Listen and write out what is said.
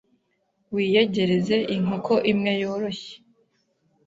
wiyegereza inkoko imwe yoroshye